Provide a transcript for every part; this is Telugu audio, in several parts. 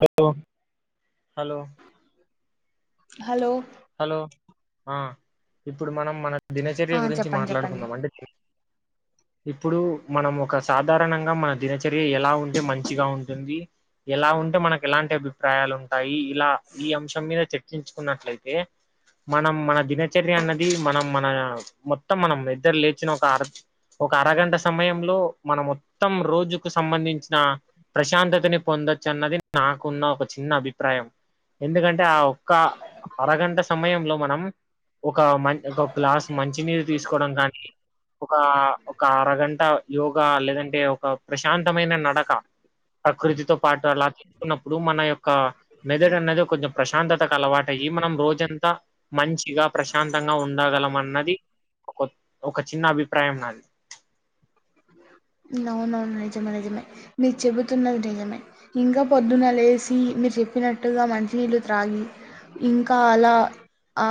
హలో హలో హలో హలో ఆ ఇప్పుడు మనం మన దినచర్య ఆ గురించి చెప్పండి చెప్పండి మాట్లాడుకుందాం అండి ఆ ఇప్పుడు మనం ఒక సాధారణంగా మన దినచర్య ఎలా ఉంటే మంచిగా ఉంటుంది ఇలా ఉంటే మనకి ఎలాంటి అభిప్రాయాలు ఉంటాయి ఇలా ఈ అంశం మీద చర్చించుకున్నట్లయితే ఏ మనం మన దినచర్య అన్నది మనం మన మొత్తం మనం ఇద్దరు లేచిన ఒక అర్ ఒక అరగంట సమయంలో మనం మొత్తం రోజుకు సంబంధించిన ప్రశాంతతని పొంది పొందచ్చన్నది నాకున్న ఒక చిన్న అభిప్రాయం ఎందుకంటే ఆ ఒక్క అరగంట సమయంలో మనం ఒక మ ఒక గ్లాస్ మంచినీరు తీసుకోవడం కానీ ఒక ఒక అరగంట యోగ లేదంటే ఒక ప్రశాంతమైన నడక ప్రకృతితో పాటు అలా తీసుకున్నప్పుడు మన యొక్క మెదడు అనేది కొంచెం ప్రశాంతతకు అలవాటు అయ్యి మనం రోజంతా మంచిగా ప్రశాంతంగా ఉండగలం అన్నది ఒక చిన్న అభిప్రాయం నాది అవునవును నిజమే నిజమే మీరు చెబుతున్నది నిజమే ఇంకా పొద్దున లేసి మీరు చెప్పినట్టుగా మంచినీళ్లు త్రాగి ఇంకా అలా ఆ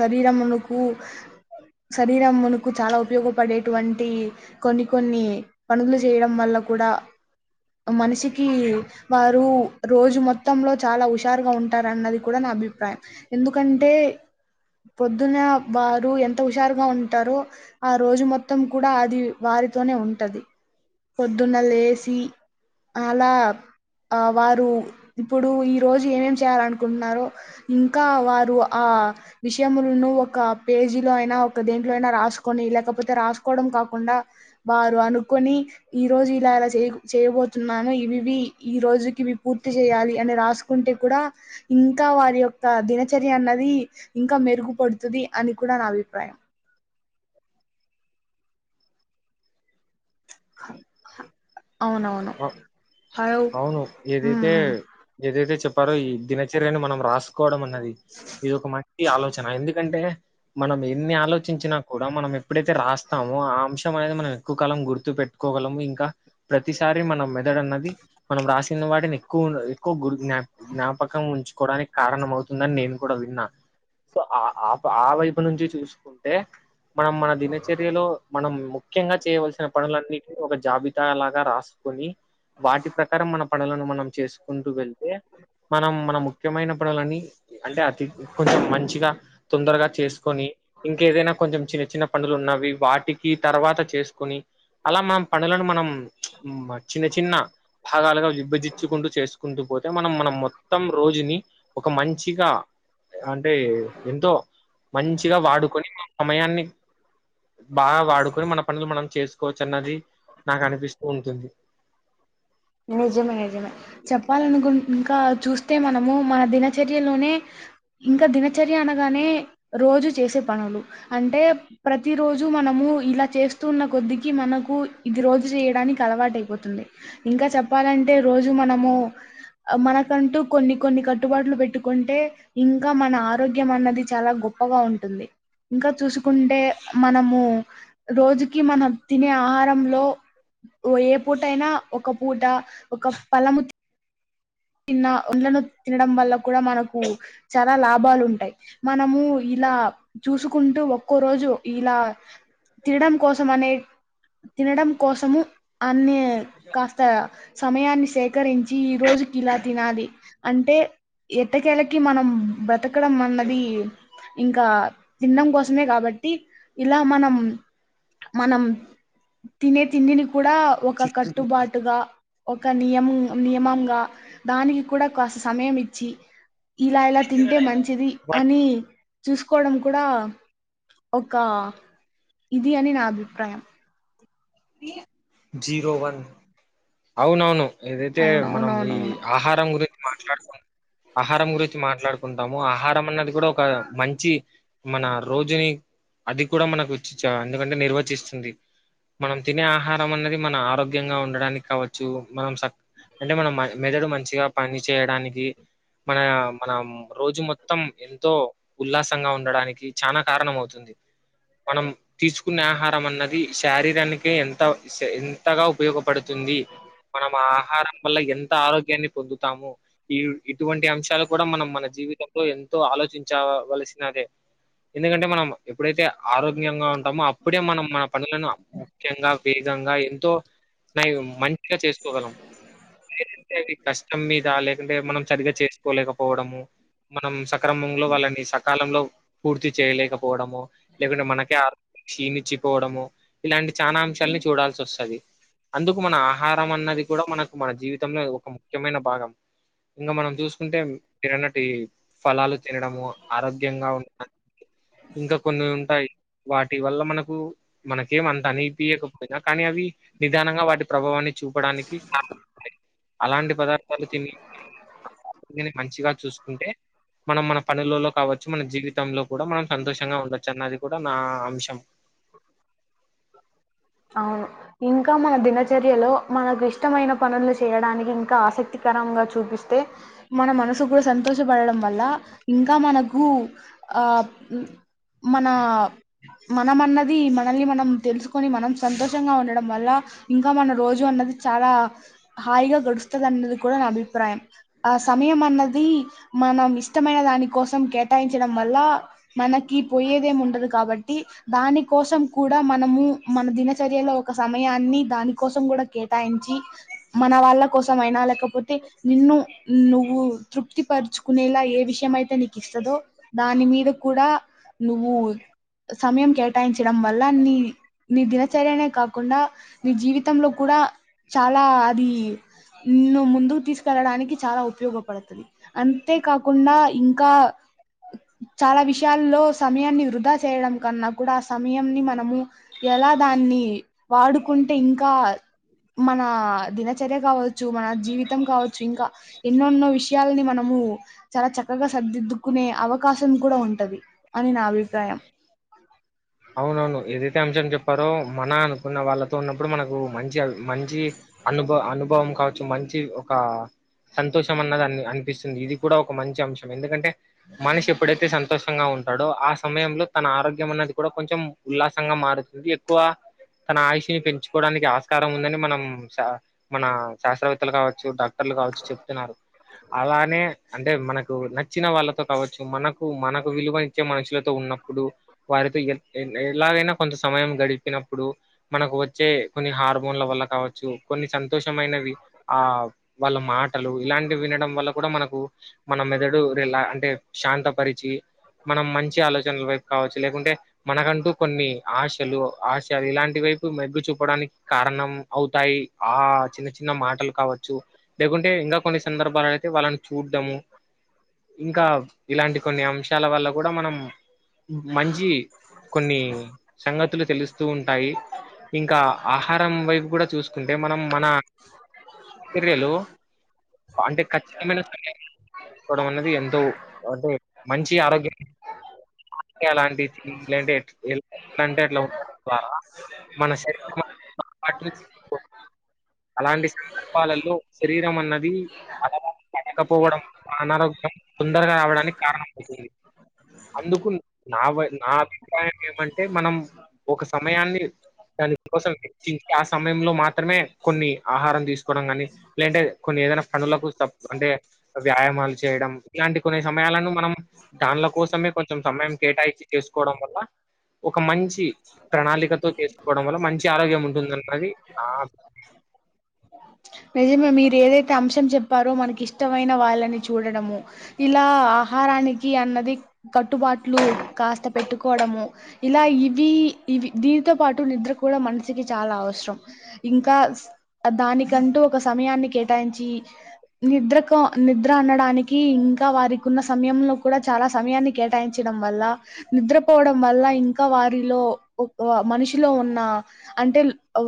శరీరం ఉనుకు శరీరం ఉనుకు చాలా ఉపయోగపడేటువంటి కొన్ని కొన్ని పనులు చేయడం వల్ల కూడా మనిషికి వారు రోజు మొత్తంలో చాలా హుషారుగా ఉంటార అన్నది కూడా నా అభిప్రాయం ఎందుకంటే పొద్దున వారు ఎంత హుషారుగా ఉంటారో ఆ రోజు మొత్తం కూడా అది వ [unintelligible] టది పొద్దున్న లేసి అలా ఆ వారు ఇప్పుడు ఈ రోజు ఏమేం చేయాల అనుకుంటున్నారో ఇ ఇంకా వారు ఆ విషయములను ఒక పేజీ లో అయినా ఒక దేంట్లో అయినా రాసు కానీ లేకపోతే రాసుకోవడం కాకుండా బాగా కొని ఈ రోజు ఇలా అలా చే చేయబోతున్నాను ఇవివి ఈ రోజు వి పూర్తి చేయాలి అని రాసు కుంటే కూడా ఇంకా వారి యొక్క దినచర్య అన్నది ఇంకా మెరుగుపడుతుంది అని కూడా నా అభిప్రాయం [inaudible] అ హలో అవును ఉమ్, ఏదైతే ఉమ్. ఏదైతే చెప్పారో ఈ దిన దిన చర్యను మనం రాసుకోవడం అన్నది ఇది ఒక మంచి ఆలోచన ఎందుకంటే మనం ఎన్ని ఆలోచించినా కూడా మనం ఎప్పుడైతే రాస్తామో ఆ అంశం మనం ఎక్కువ కాలం గుర్తు పెట్టుకోగలము ఇంకా ప్ర ప్రతిసారి మనం మెదడు అన్నది మనం రాసిన వాటిని ఎక్కువ ఎక్కువ గు జ్ఞ జ్ఞాపకం ఉంచు కోడానికి కారణం అవుతుందని నేను కూడా విన్నా సో ఆ ఆ వైపు నుంచి చూసుకుంటే మనం మన దినచర్యలో మనం ముఖ్యంగా చేయవలసిన పనులన్నిటి ఒక జాబితా లాగా రా సుకుని వాటి ప్రకారం మన పనులను మనం చేసుకుంటూ వెళ్తే మనం మన ముఖ్యమైన పనులని అంటే అతి కొంచెం మంచిగా తొందరగా చేసుకొని ఇంకేదైనా కొంచెం చిన్న చిన్న పనులు ఉన్నవి వాటికి తర్వాత చేసుకొని అలా మన పనులను మనం చిన్న చిన్న భాగాలుగా విభజించుకుంటూ చేసు కుంటూ పోతే మనం మనం మొత్తం రోజుని ఒక మంచిగా అంటే ఎంతో మంచిగా వాడుకొని సమయాన్ని బాగా వాడుకుని మన పనులు మనం చేసుకోవచ్చు అన్నది నాకు అనిపిస్తుంది ఉంటుంది నిజమే నిజమే చెప్పాలనుకున్ ఇంకా చూస్తే మనము మన దినచర్యలోనే ఇంక దినచర్య అనగానే రోజు చేసే పనులు అంటే ప్రతి రోజు మ మనము ఇలా చేస్తూ ఉన్న కొద్దికి మనకు ఇది రోజు చేయడానికి అలవాటైపోతుంది ఇంకా చెప్పాలంటే రోజు మనము మనకంటూ కొన్ని కొన్ని కట్టుబాట్లు పెట్టుకుంటే ఇంకా మన ఆరోగ్యం అన్నది చాలా ప్పగా ఉంటుంది ఇంకా చూసుకుంటే మనము రోజుకి మనం తినే ఆహారంలో ఓ ఏ పూటైనా ఒక పూట ఒక పలము తిన్న ఒండ్లను తినడం వల్ల కూడా మనకు చాలా లాభాలు ఉంటాయి మనము ఇలా చూసుకుంటూ ఒక్కో రోజు ఇలా తినడం కోసం అనే తినడం కోసము అన్ని కాస్త సమయాన్ని సేకరించి ఈ రోజు ఇలా తినాలి అంటే ఎట్టకేళకి మనం బ్రతకడం అన్నది ఇంకా తిండం కోసమే కాబట్టి ఇలా మనం మనం తినే తిండిని కూడా ఒక సిక్స్ కట్టుబాటుగా ఒక నియం నియమంగా దానికి కూడా కాస్త సమయం ఇచ్చి ఇలా ఇలా తింటే మంచిది వన్ అని చూసుకోవడం కూడా ఒక ఇది అని నా అభిప్రాయం జీరో వన్ అవునవును ఏదైతే అవును మనం ఈ అవునవునవును ఆహారం గురించి మాట్లాడుకుం ఆహారం గురించి మాట్లాడుకుంటాము ఆహారం అన్నది కూడా ఒక మంచి మన రోజుని అది కూడా మనకొచ్చిచ అందుకంటే నిర్వచిస్తుంది మనం తినే ఆహారం అనేది మన ఆరోగ్యంగా ఉండడానికి కావచ్చు మనం స అంటే మనం మ మెదడు మంచిగా పని చేయడానికి మన మనం రోజు మొత్తం ఎంతో ఉల్లాసంగా ఉండడానికి చానా కారణం అవుతుంది మనం తీసుకునే ఆహారం అన్నది శారీ ఎంతో ఎంతగా ఉపయోగపడుతుంది మనం ఆ ఆహారం వల్ల ఎంత ఆరోగ్యాన్ని పొందుతాము ఈ ఇటువంటి అంశాలు కూడా మనం మన జీవితంలో తో ఆలోచించవలసినదే ఎందుకంటే మనం ఎప్పుడైతే ఆరోగ్యంగా ఉంటామో అప్పుడే మనం మన పనులను ముఖ్యంగా వేగంగా ఎంతో నై మంచిగా చేసుకోగలం కష్టం మీద లేకుంటే మనం చరిగా చేసుకోలేకపోవడము మనం సక్రమంలో వాళ్ళని సకాలంలో పూర్తి చేయలేకపోవడము లేకుంటే మనకే ఆ క్షీణిచ్చిపోవడము ఇలాంటి చానా అంశాల్ని చూడాల్సి వస్తది అందుకు మన ఆహారం అన్నది కూడా మన మన జీవితంలో ఒక ముఖ్యమైన భాగం ఇంగ మనం చూసుకుంటే మీరన్నటి ఫలాలు తినడము ఆరోగ్యంగా ఉన్న ఇంక కొన్ని ఉంటాయి వాటి వల్ల మనకు మనకేం అంత అనిపీకపొయినా కానీ అవి నిదానంగా వాటి ప్రభావాన్ని చూపడానికి అలాంటి పదార్థాలు తిని మంచిగా చూసుకుంటే మనం మన పనులలో కావచ్చు మన జీవితంలో కూడా మనం సంతోషంగా ఉండచ్చు అన్నది కూడా నా అంశం. అవును ఇంకా మన దినచర్యలో మనకు ఇష్టమైన పనులు చేయడానికి ఇంకా ఆసక్తికర చూపిస్తే మన మనసు కూడా సంతోషపడడం వల్ల ఇంకా మనకు ఆ మన మనం అన్నది మనల్ని మనం తెలుసుకొని మనం సంతోషంగా ఉండడం వల్ల ఇంకా మన రోజు అన్నది చాలా హాయిగా గడుస్తదన్నది కూడా నా అభిప్రాయం ఆ సమయం అన్నది మనం ఇష్టమైన దాని కోసం కేటాయించడం వల్ల మనకి పోయేదేం ఉండదు కాబట్టి దాని కోసం కూడా మనము మన దినచర్యలో ఒక సమయాన్ని దానికోసం గూడా కేటాయించి మన వాళ్ళ కోసం అయినా లేకపోతే నిన్ను నువ్వు తృప్తి పరుచుకునేలా ఏ విషయం అయితే నీకు ఇస్తదో దాని మీద కూడా నువ్వు సమయం కేటాయించడం వల్ల నీ నీ దినచర్యనే కాకుండా నీ జీవితంలో కూడా చాలా అది నిన్ను ముందుకు తీసుకెళ్లడానికి చాలా ఉపయోగపడతది అంతేకాకుండా ఇంకా చాలా విషయాల్లో సమయాన్ని వృధా చేయడం కన్నా కూడా ఆ సమయంన్ని మనము ఎలా దాన్ని వాడుకుంటే ఇంకా మన దినచర్య గావచ్చు మన జీవితం కావచ్చు ఇంకా ఎన్నోన్నో విషయాలని మనము నువ్వు చాలా చక్కగా సరిద్దిద్దుకునే అవకాశం కూడా ఉంటది అని నా అభిప్రాయం [inaudible] అవునవును ఏదైతే అంశం చెప్పారో మన అనుకున్న వాళ్ళతో ఉన్నప్పుడు మనకు మంచి అ మంచి అనుభ అనుభవం కావచ్చు మంచి ఒక సంతోషం అన్నది అని అనిపిస్తుంది ఇది కూడా ఒక మంచి అంశం ఎందుకంటే మనిషి ఎప్పుడైతే సంతోషంగా ఉం టాడు ఆ సమయంలో తన ఆరోగ్యం అనేది కూడా కొంచెం ఉల్లాసంగా మారుతుంది ఎక్కువ తన ఆయుష్ని పెంచుకోవడానికి ఆస్కారం ఉందని మనం మన శాస్త్రవేత్తలు కావచ్చ డాక్టర్లు కావచ్చు చెప్తున్నారు అలానే అంటే మనకు నచ్చిన వాళ్ళతో కావచ్చు మనకు మనకు విలువ ఇచ్చే మనుషులతో ఉన్నప్పుడు వారి తో ఎలాగైనా కొంత సమయం గడిపినప్పుడు మనకు వచ్చే కొన్ని హార్మోన్ల వల్ల కావ చ్చెు కొన్ని సంతోషమైనవి ఆ వాళ్ళ మాటలు ఇలాంటివి వినడం వల్ల కూడా మనకు మన మెదడు రిలా అంటే శాంతపరిచి మనం మంచి ఆలోచనల వైపు కావచ్చు లేకుంటే మనకంటూ కొన్ని ఆశలు ఆశలు ఇలాంటి వైపు మెగ్గు చూపడానికి కారణం అవుతాయి ఆ చిన్న చిన్న మాటలు కావచ్చు లేకుంటే ఇంకా కొన్ని సందర్భాలు అయితే వాళ్ళని చూడము ఇంకా ఇలాంటి కొన్ని అంశాల వల్ల కూడా మనం మంచి కొన్ని సంగతులు తెలుస్తూ ఉంటాయి ఇంకా ఆహారం వైపు కూడా చూసుకుంటే మనం మన చర్యలు అంటే ఖచ్చితమైన కోడం అన్నది ఎంతో అంటే మంచి ఆరోగ్యం ఎలాంటి ఎట్లంటే ఎల్ ఎట్లాంటే అట్లా ఉంటారా [unintelligible] అలాంటి సందర్భాలలో శరీరం అన్నది అలవాటు పడకపోవడం అనారోగ్యం తొందరగా రావడానికి కారణం మవుతుంది అందుకు నా నా అభిప్రాయం ఏమంటే మనం ఒక సమయాన్ని దానికోసమే ఆ సమయంలో మాత్రమే కొన్ని ఆహారం దీసుకోవడం కానీ లేంటే కొన్ని ఏదైనా పనులకు త అంటే వ్యాయామాలు చేయడం ఇలాంటి కొన్ని సమయాలను మనం దానిలో కూడా కోసమే కొంచెం సమయం కేటాయించి చేసుకోవడం వల్ల ఒక మంచి ప్రణాళికతో చేసుకోవడం వల్ల మంచి ఆరోగ్యం ఉంటుందన్నది నా [inaudible] నిజమే మీరు ఏదైతే అంశం చెప్పారో మనకి ఇష్టమైన వాళ్ళని చూడడము ఇలా ఆహారానికి అన్నది కట్టుబాట్లు కాస్త పెట్టుకోవడము ఇలా ఇవి ఇవి దీనితో పాటు నిద్ర కూడా మనషికి చాలా అవసరం ఇంకా కంటూ ఒక సమయాన్ని కేటాయించి నిద్రకో నిద్ర అనడానికి ఇంకా వారికున్న సమయంలో కూడా చా సమయాన్ని కేటాయించడం వల్ల నిద్రపోవడం వల్ల ఇంకా వారిలో ఒక మనిషి లో ఉన్న అంటే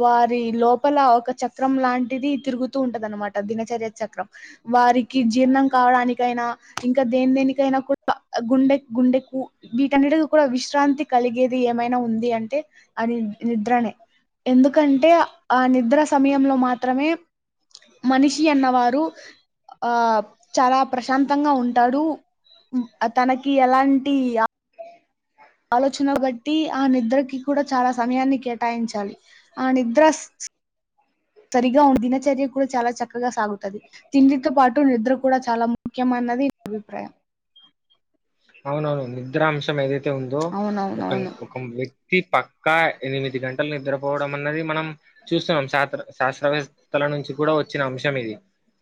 వారి లోపల ఒక చక్రం లాంటి తిరుగుతూ ఉంటదనమాట్ దినచర్య చక్రం వారికి జీర్ణం కావడానికైనా ఇంకా దేన్ దేనికైనా కూడా గుండె గుండెకు వీటన్నిటి కూడా విశ్రాంతి కలిగేది ఏమైనా ఉంది అంటే అని నిద్రనే ఎందుకంటే ఆ నిద్ర సమయంలో మా మనిషి అన్నవారు ఆ చాలా ప్రశాంతంగా ఉంటాడు తనకి ఎలాంటి ఆలోచన గట్టి ఆ నిద్రకి కూడా చాలా సమయాన్ని కేటాయించాలి ఆ నిద్ర సరిగా దినచర్య కూడా చాలా చక్కగా సాగుతది తిండితో పాటు నిద్ర కూడా చాలా ముఖ్య న్నది అభిప్రాయం అవునవును నిద్ర అంశం ఏదై ఉందో ఒక అవునవునవును ఒక వ్యక్తి పక్కా ఎనిమిది గంటలు నిద్ర పోవడం అన్నది మనం చూస్తున్నాం శాత్ర శాస్త్రవేత్తల నుంచి గుడ వచ్చిన అంశం ఇది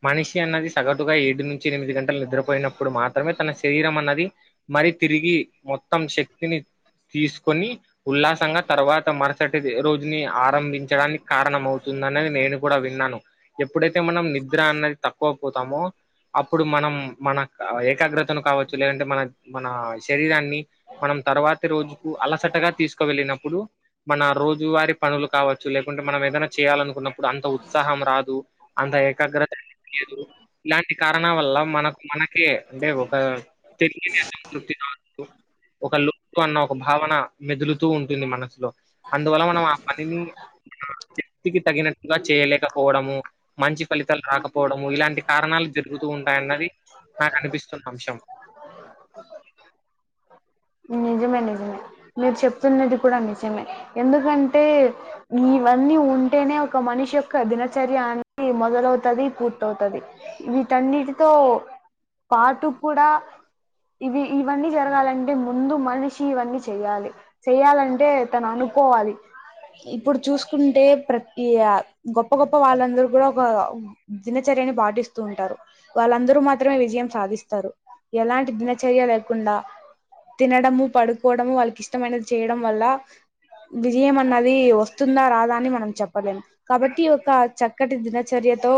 మనిషి అన్నది సగటుగా ఏడు నుంచి ఎనిమిది గంటలు నిద్రపోయినప్పుడు మాత్రమే తన శరీరం అన్నది మరి తిరిగి మొత్తం శక్తిని తీసుకొని ఉల్లాసంగా తర్వాత మరుసటి రోజుని ఆరంభించడానికి కారణమవు తుందనేది నేను కూడా విన్నాను ఎప్పుడైతే మనం నిద్ర అన్నది తక్కువ పోతాము అప్పుడు మనం మన ఏకాగ్రతను కావచ్చు లేదంటే మన మన శరీరాన్ని మనం తర్వాతి రోజుకు అలసటగా తీసుకు వెళ్ళినప్పుడు మన రోజు వారి పనులు కావచ్చు లేకుంటే మనమేదన్ చేయాలనుకున్నప్పుడు అంత ఉత్సాహం రాదు అంత ఏకాగ్రత లేదు ఇలాంటి కారణ వల్ల మనక్ మన అంటే ఒక తెరి సంతృప్తి కాదు ఒకలు అన్న ఒక భావన మెదులుతూ ఉంటుంది మనసులో అందువల్ల మనం ఆ పనిని వ్యక్తికి తగినట్టుగా చేయలేకపోవడము మంచి ఫలితాలు రాకపోవడము ఇలాంటి కారణాలు జరుగుతూ అన్నది నాకనిపిస్తున్న అంశం నిజమే నిజమే మీరు చెప్తున్నది కూడా నిజమే ఎందుకంటే మీ ఇవన్నీ ఉంటేనే ఒక మనిషి యొక్క దినచర్య అనేది మొదలవుతది పూర్తవుతది వీటన్నిటితో పాటు కూడా ఇవి ఇవన్నీ జరగాలన్ మనిషి ఇవన్నీ చెయ్యాలి చెయ్యాలంటే తను అనుకోవాలి ఇప్పుడు చూసుకుంటే ప్రతి గొప్ప గొప్ప వాళ్ళందరు కూడా ఒక దినచర్య పాటిస్తూ ఉంటారు వాళ్ళందరూ విజయం సాధిస్తారు ఎలాంటి దినచర్య లేకుండా తినడము పడుకోవడము వాళ్ళకిష్టమైనది చేయడం వల్ల విజయం అన్నది వస్తుందా రాదా అని మనం చెప్పలేము కాబట్టి ఒక చక్కటి దినచర్యతో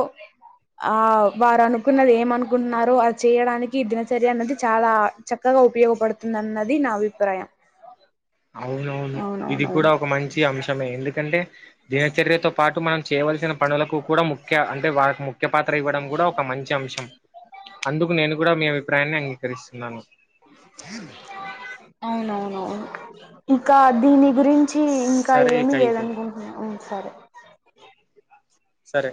ఆ వారనుకున్నది ఏమనుకుంట్నారో అది చెయ్యడానికి దినచర్య అనేది చాలా చక్కగా ఉపయోగపడుతుందన్నది నా అభిప్రాయం అవునవును ఇది అవునవునవును కూడా ఒక మంచి అంశమే ఎందుకంటే దినచర్యతో పాటు మనం చేయవలసిన పనులకు కూడా ముఖ్య అంటే వాళ్ళక్ ముఖ్యపాత్ర ఇవ్వడం కూడా ఒక మంచి అంశం అందుకు నేను కూడా మీ అభిప్రాయాన్ని అంగీ కరిస్తున్నాను. అవునవునవును ఇంకా దీని గురించి ఇంకా సరే ఇక ఏమి అయితే లేదనుకుంటున్నాను ఉమ్ సరే. ఆహ్. సరే.